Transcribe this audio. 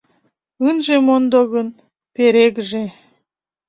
Ынеж мондо гынь, перегыже.